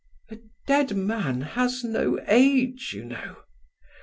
a dead man has no age, you know.